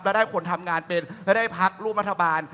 แล้วได้คนทำงานเป็นแล้วได้ภักดิ์รูปมัธบาล